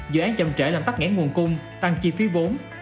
dự án chậm trễ làm tắt ngãn nguồn cung tăng chi phí bốn